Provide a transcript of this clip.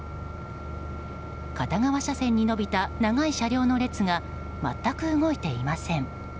片側車線に伸びた長い車両の列が全く動いていません。